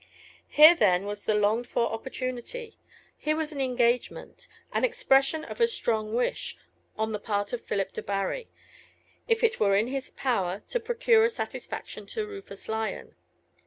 Here, then, was the longed for opportunity. Here was an engagement an expression of a strong wish on the part of Philip Debarry, if it were in his power, to procure a satisfaction to Rufus Lyon.